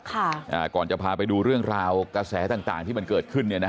ค่ะอ่าก่อนจะพาไปดูเรื่องราวกระแสต่างที่มันเกิดขึ้น